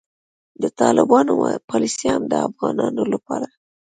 د طالبانو پالیسي هم د افغانانو لپاره